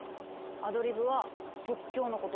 アドリブは「即興」のこと。